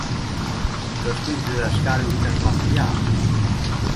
Το σπίτι του δασκάλου ήταν μακριά.